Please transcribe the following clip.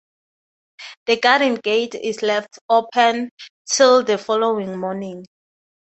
The garden gate is left open till the following morning.